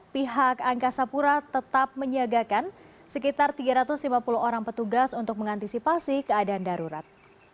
pihak angkasa pura tetap menyiagakan sekitar tiga ratus lima puluh orang petugas untuk mengantisipasi keadaan darurat